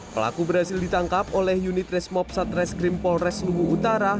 pelaku berhasil ditangkap oleh unit resmopsat reskrim polres luwu utara